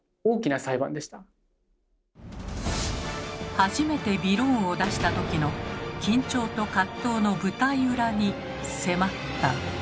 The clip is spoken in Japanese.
初めてびろーんを出した時の緊張と葛藤の舞台裏に迫った。